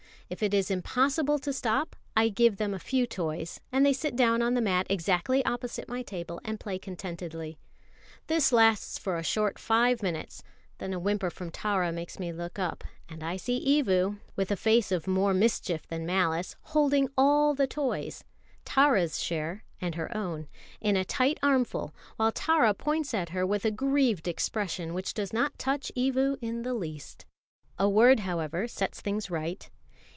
If it is impossible to stop, I give them a few toys, and they sit down on the mat exactly opposite my table and play contentedly. This lasts for a short five minutes; then a whimper from Tara makes me look up, and I see Evu, with a face of more mischief than malice, holding all the toys Tara's share and her own in a tight armful, while Tara points at her with a grieved expression which does not touch Evu in the least. A word, however, sets things right.